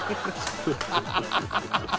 ハハハハ！」